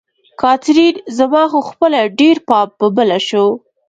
کاترین: زما خو خپله ډېر پام په بله شو.